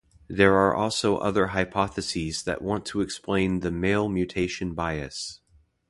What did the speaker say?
There are also other hypotheses that want to explain the male mutation bias.